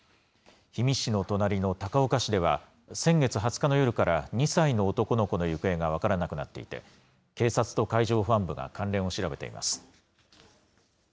氷見市の隣の高岡市では、先月２０日の夜から２歳の男の子の行方が分からなくなっていて、警察と海上保安部が関連を調べています。